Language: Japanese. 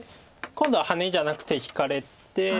今度はハネじゃなくて引かれて。